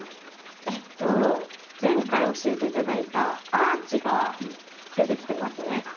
えっと前回教えて頂いたアーチが出てきてますね。